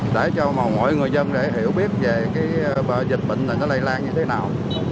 để cho mọi người dân hiểu biết về cái bỡ dịch bệnh này nó lây lan như thế nào